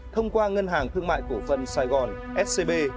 thông qua ngân hàng thương mại cổ phân sài gòn scb